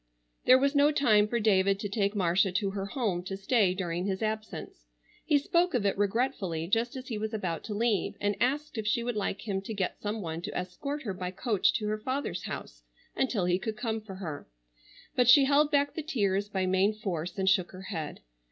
There was no time for David to take Marcia to her home to stay during his absence. He spoke of it regretfully just as he was about to leave, and asked if she would like him to get some one to escort her by coach to her father's house until he could come for her; but she held back the tears by main force and shook her head.